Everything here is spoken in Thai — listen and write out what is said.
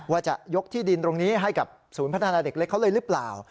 ว่าจะยกที่ดินตรงนี้ให้กับศูนย์พัฒนาเด็กเล็กเขาเลยหรือเปล่า